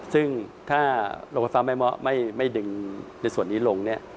ซึ่งถ้าโรงไฟฟ้าแม่ม้อไม่ดึงในส่วนนี้ลง